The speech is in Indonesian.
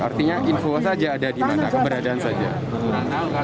artinya info saja ada di mana keberadaan saja